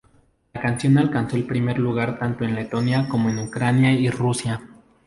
La canción alcanzó el primer lugar tanto en Letonia como en Ucrania y Rusia.